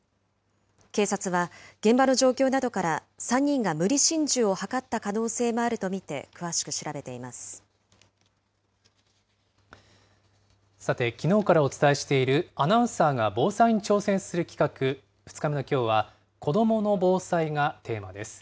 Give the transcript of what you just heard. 警察は、現場の状況などから３人が無理心中を図った可能性もあると見て、さて、きのうからお伝えしているアナウンサーが防災に挑戦する企画、２日目のきょうは、子どもの防災がテーマです。